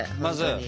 まず。